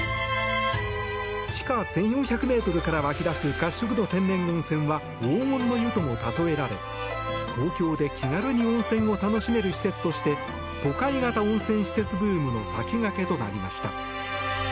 地下１４００ｍから湧き出す褐色の天然温泉は黄金の湯とも例えられ東京で気軽に温泉を楽しめる施設として都会型温泉施設ブームの先駆けとなりました。